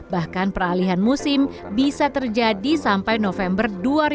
bahkan peralihan musim bisa terjadi sampai november dua ribu dua puluh